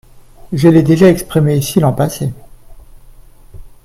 Je l'ai déjà exprimée ici l'an passé.